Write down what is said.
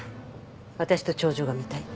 私と頂上が見たいって。